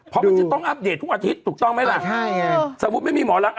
เพราะมันจะต้องอัปเดตทุกอาทิตย์ถูกต้องไหมล่ะใช่ไงสมมุติไม่มีหมอลักษณ